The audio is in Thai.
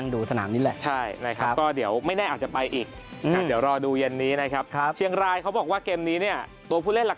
คุณนี้จะมาที่ที่ผมบอกว่าชับปุ๋ยไปนี่แหละ